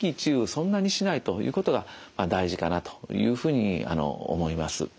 そんなにしないということが大事かなというふうに思います。